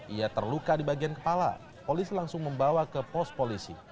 ia terluka di bagian kepala polisi langsung membawa ke pos polisi